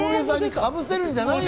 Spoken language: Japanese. かぶせるんじゃないよ！